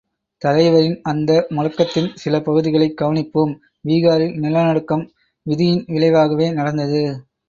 தலைவரின் அந்த முழக்கத்தின் சில பகுதிகளைக் கவனிப்போம் பீகாரில் நிலநடுக்கம் விதியின் விளைவாகவே நடந்தது.